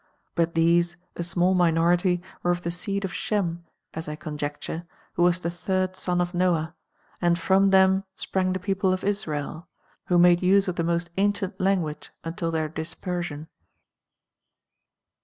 But these, a small minority, were of the seed of Shem (as I con jecture), who was the third son of Noah ; and from them si)rang the people of Lstacl, ' who made use of the most ancient language until L70J their dispersion.